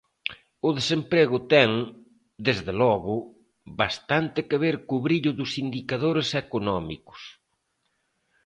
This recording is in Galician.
O desemprego ten, desde logo, bastante que ver co brillo dos indicadores económicos.